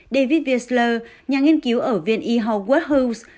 david wiesler nhà nghiên cứu ở viện e howard house